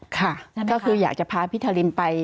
ค่ะก็คืออยากจะพาพี่ทารินไป